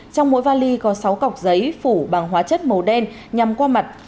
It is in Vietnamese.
trong mỗi vali có sáu cọc giấy phủ bằng hóa chất màu đen nhằm qua mặt